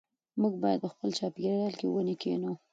موږ باید په خپل چاپېریال کې ونې کېنوو.